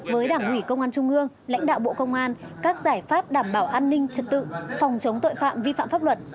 với đảng ủy công an trung ương lãnh đạo bộ công an các giải pháp đảm bảo an ninh trật tự phòng chống tội phạm vi phạm pháp luật